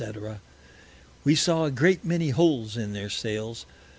_ We saw a great many Holes in their Sails.